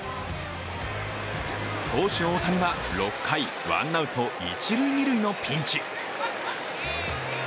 投手大谷は６回、ワンアウト一・二塁のピンチ。